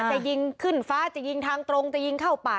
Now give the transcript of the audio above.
จะยิงขึ้นฟ้าจะยิงทางตรงจะยิงเข้าป่า